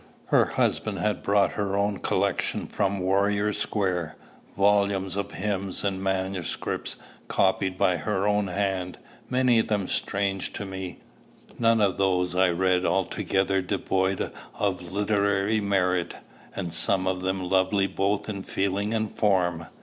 Her husband had brought her own collection from Warrior Square, volumes of hymns in manuscript, copied by her own hand, many of them strange to me, none of those I read altogether devoid of literary merit, and some of them lovely both in feeling and form.